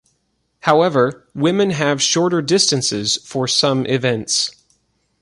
However, women have shorter distances for some events.